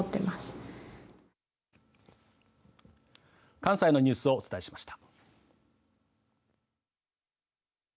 関西のニュースをお伝えしました。